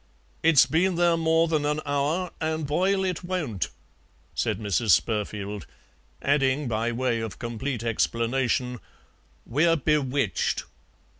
"It's been there more than an hour, an' boil it won't," said Mrs. Spurfield, adding, by way of complete explanation, "we're bewitched."